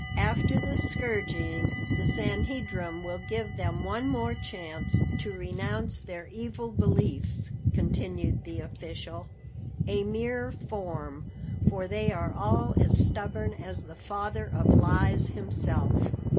"After the scourging, the Sanhedrim will give them one more chance to renounce their evil beliefs," continued the official, "a mere form, for they are all as stubborn as the father of lies himself.